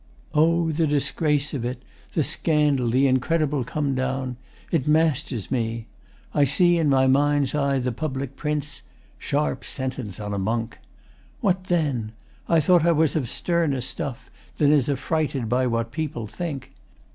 O the disgrace of it The scandal, the incredible come down! It masters me. I see i' my mind's eye The public prints 'Sharp Sentence on a Monk.' What then? I thought I was of sterner stuff Than is affrighted by what people think.